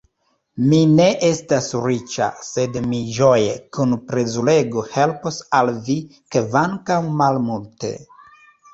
Mi ne estas riĉa, sed mi ĝoje, kun plezurego helpos al vi kvankam malmulte.